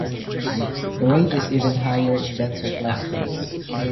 The rate is even higher in denser clusters.